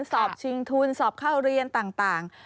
สอบชิงทุนสอบเข้าเรียนต่าง